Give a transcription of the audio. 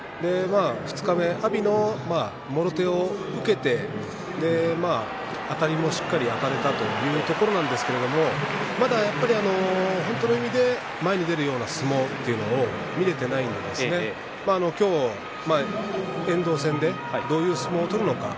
二日目、阿炎のもろ手を受けてあたりもしっかりあたれたというところなんですけどまだやっぱり本当の意味で前に出る相撲というのは見られていないので、今日は遠藤戦でどういう相撲を取るのか